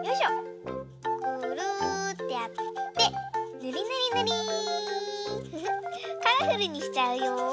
ぐるってやってぬりぬりぬり。フフ。カラフルにしちゃうよ。